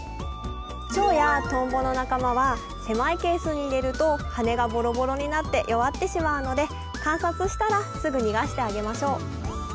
チョウやトンボの仲間は狭いケースに入れると羽がボロボロになって弱ってしまうので観察したらすぐ逃がしてあげましょう。